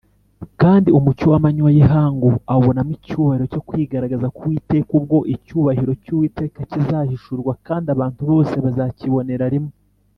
Kandi umucyo w’amanywa y’ihangu awubonamo icyubahiro cyo kwigaragaza k’Uwiteka, ubwo ‘‘icyubahiro cy’Uwiteka kizahishurwa kandi abantu bose bazakibonera rimwe